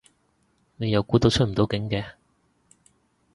你又估到出唔到境嘅